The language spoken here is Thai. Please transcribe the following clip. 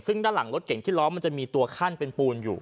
ซึ่งด้านหลังรถเก่งที่ล้อมันจะมีตัวขั้นเป็นปูนอยู่